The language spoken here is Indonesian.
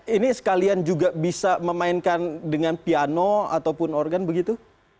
ini sekalian juga bisa memainkan dengan piano ataupun organ begitu